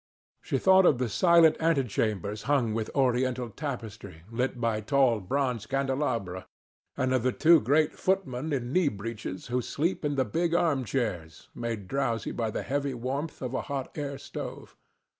She thought of the silent antechambers hung with Oriental tapestry, lit by tall bronze candelabra, and of the two great footmen in knee breeches who sleep in the big armchairs, made drowsy by the heavy warmth of the hot air stove.